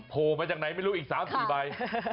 พูดมาจากไหนรู้อีก๓๔ใบ